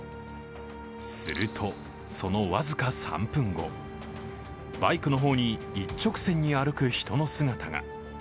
すると、その僅か３分後、バイクの方に一直線に歩く人の姿が。